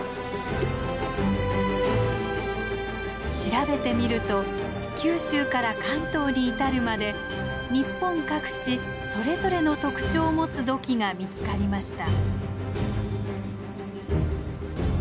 調べてみると九州から関東に至るまで日本各地それぞれの特徴を持つ土器が見つかりました。